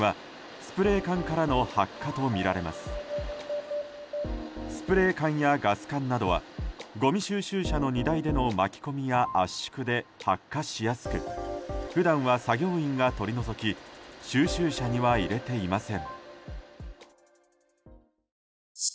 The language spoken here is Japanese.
スプレー缶やガス缶などはごみ収集車の荷台での巻き込みや圧縮で発火しやすく普段は作業員が取り除き収集車には入れていません。